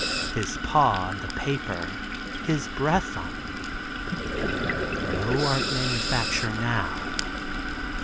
His paw on the paper, his breath on me. No art manufacture now.